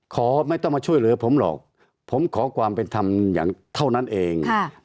ขอไม่ต้องมาช่วยเหลือผมหรอกผมขอความเป็นธรรมอย่างเท่านั้นเอง